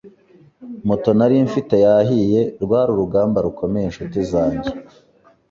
moto nari mfite yahiye, rwari urugamba rukomeye nshuti zanjye